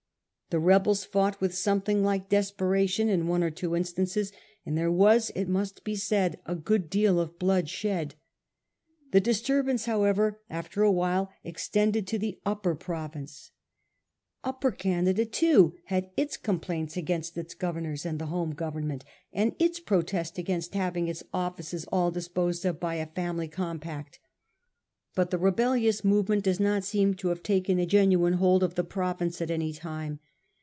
The rebels fought with something like desperation in one or two instances, and there was, it must be said, a good deal of blood shed. The disturbance, however, after a while extended to the upper province. Upper Canada too had its complaints against its governors and the home Government, and its protests against having its offices all disposed of by a ' family com pact ;' but the rebellious movement does not seem to have taken a genuine hold of the province at any time.